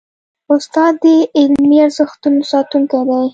استاد د علمي ارزښتونو ساتونکی دی.